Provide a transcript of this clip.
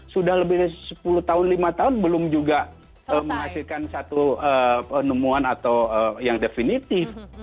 sudah lebih dari sepuluh tahun lima tahun belum juga menghasilkan satu penemuan atau yang definitif